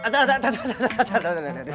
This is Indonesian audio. tidak tidak tidak